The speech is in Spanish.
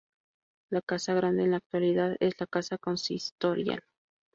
La Casa Grande, en la actualidad es la Casa Consistorial.